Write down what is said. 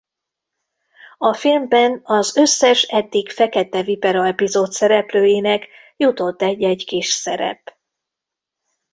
A filmben az összes eddig Fekete Vipera epizód szereplőinek jutott egy-egy kis szerep.